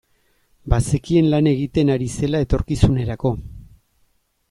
Bazekien lan egiten ari zela etorkizunerako.